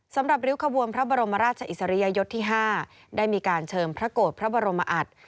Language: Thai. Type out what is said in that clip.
สำหรับริ้วขบวนพระบรมอราชอิสริยะยที่๕ได้มีการเชิงพระโกธพระบรมอัตธิ์